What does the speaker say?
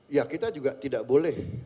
ya kita juga tidak boleh